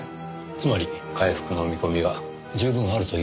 つまり回復の見込みは十分あるという事ですね？